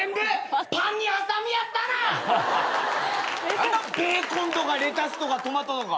何だベーコンとかレタスとかトマトとか。